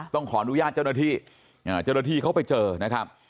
ต้องขออนุญาตเจ้าหน้าที่เจ้าหน้าที่เขาไปเจอนะครับ